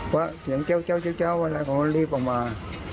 ว่าเสียงเจ้าอะไรเขาก็รีบออกมา